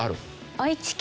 愛知県。